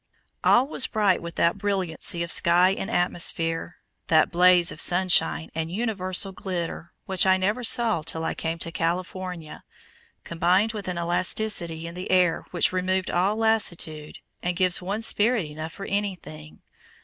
All was bright with that brilliancy of sky and atmosphere, that blaze of sunshine and universal glitter, which I never saw till I came to California, combined with an elasticity in the air which removed all lassitude, and gives one spirit enough for anything.